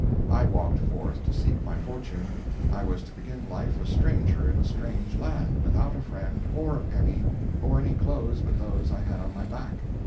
I walked forth to seek my fortune. I was to begin life a stranger in a strange land, without a friend, or a penny, or any clothes but those I had on my back.